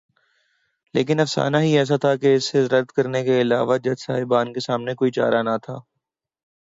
لیکن افسانہ ہی ایسا تھا کہ اسے رد کرنے کے علاوہ جج صاحبان کے سامنے کوئی چارہ نہ تھا۔